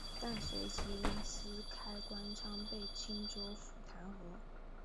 但随即因私开官仓被青州府弹劾。